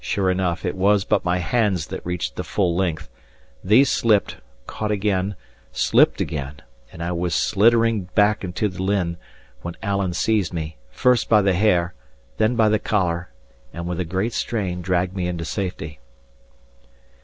Sure enough, it was but my hands that reached the full length; these slipped, caught again, slipped again; and I was sliddering back into the lynn, when Alan seized me, first by the hair, then by the collar, and with a great strain dragged me into safety.